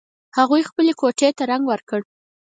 هغوی خپلې کوټې ته رنګ ور کړ